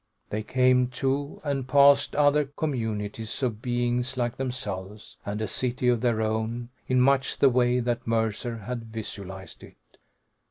They came to and passed other communities of beings like themselves, and a city of their own, in much the way that Mercer had visualized it.